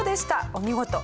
お見事。